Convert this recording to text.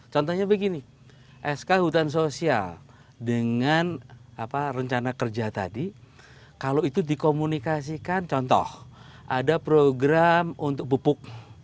contohnya begini sk hutan sosial dengan rencana kerja tadi kalau itu dikomunikasikan contoh ada program untuk pupuk